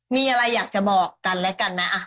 มีอะไรอยากจะบอกกันและกันไหม